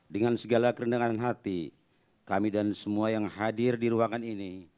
dengan segala kerendangan hati kami dan semua yang hadir di ruangan ini